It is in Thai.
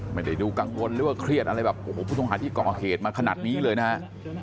ไม่ได้ดูกังวลหรือว่าเครียดอะไรแบบโอ้โหผู้ต้องหาที่ก่อเหตุมาขนาดนี้เลยนะฮะ